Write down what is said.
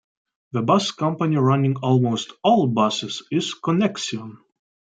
The bus company running almost all buses is Connexxion.